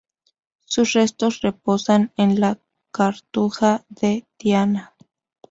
Sus restos reposan en la Cartuja de Tiana.